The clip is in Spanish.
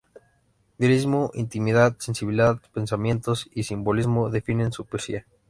Lirismo, intimidad, sensibilidad, pensamientos y simbolismo definen su poesía.